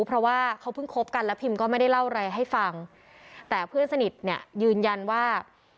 เพราะว่าเขาเพิ่งคบกันแล้วพิมก็ไม่ได้เล่าอะไรให้ฟังแต่เพื่อนสนิทเนี่ยยืนยันว่า